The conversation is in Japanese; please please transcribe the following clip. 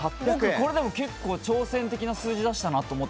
僕、これでも結構挑戦的な数字を出したなと。